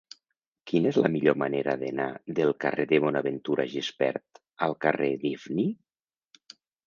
Quina és la millor manera d'anar del carrer de Bonaventura Gispert al carrer d'Ifni?